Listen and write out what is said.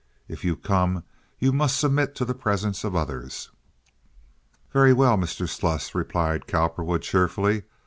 If you come you must submit to the presence of others." "Very well, Mr. Sluss," replied Cowperwood, cheerfully.